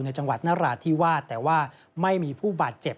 จังหวัดนราธิวาสแต่ว่าไม่มีผู้บาดเจ็บ